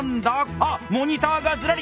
あっモニターがずらり！